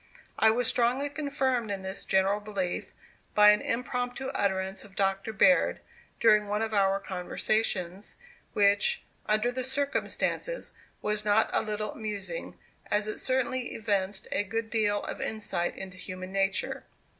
I was strongly confirmed in this general belief by an impromptu utterance of Dr. Baird, during one of our conversations, which, under the circumstances, was not a little amusing, as it certainly evinced a good deal of insight into human nature.